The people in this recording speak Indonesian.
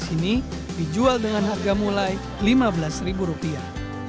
sini dijual dengan harga mulai lima belas rupiah